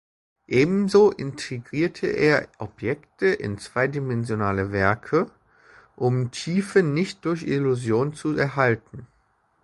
Ebenso integrierte er Objekte in zweidimensionale Werke, um Tiefe nicht durch Illusion zu erhalten.